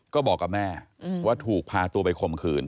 ก็บอกกับแม่ว่าถูกพาตัวไปข่มขืน